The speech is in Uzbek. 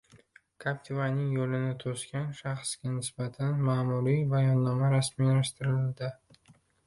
Kaptivaning yo‘lini to‘sgan shaxsga nisbatan ma’muriy bayonnoma rasmiylashtirildi